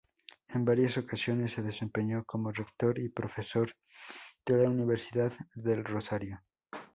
En varias ocasiones se desempeñó como rector y profesor de la Universidad del Rosario.